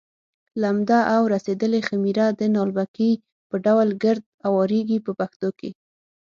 لمده او رسېدلې خمېره د نالبکي په ډول ګرد اوارېږي په پښتو کې.